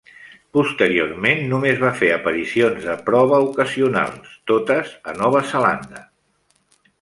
Posteriorment només va fer aparicions de prova ocasionals, totes a Nova Zelanda.